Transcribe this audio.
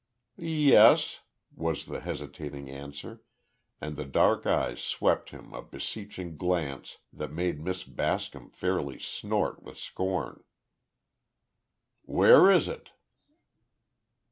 "Yes," was the hesitating answer, and the dark eyes swept him a beseeching glance that made Miss Bascom fairly snort with scorn. "Where is it?"